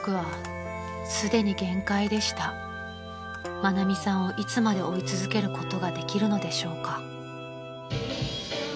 ［愛美さんをいつまで追い続けることができるのでしょうか？］